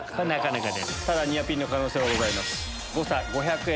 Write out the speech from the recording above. ただニアピンの可能性はございます。